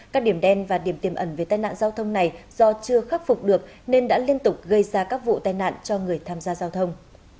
các điểm đen và điểm tiềm ẩn về tai nạn giao thông này do chưa khắc phục được nên đã liên tục gây ra các vụ tai nạn cho người tham gia giao thông